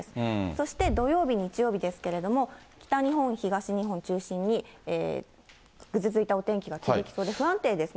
そして土曜日、日曜日ですけれども、北日本、東日本中心に、ぐずついたお天気が続きそうで、不安定ですね。